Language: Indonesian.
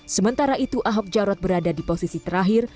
sementara itu ahok jarot berada di posisi terakhir